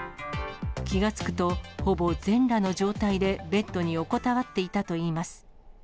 気が付くと、ほぼ全裸の状態でベッドに横たわっていたといいます。